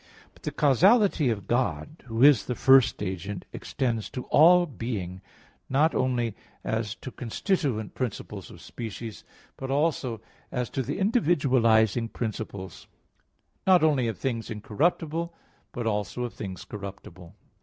But the causality of God, Who is the first agent, extends to all being, not only as to constituent principles of species, but also as to the individualizing principles; not only of things incorruptible, but also of things corruptible.